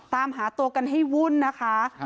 ตามหาตัวกันให้วุ่นนะคะ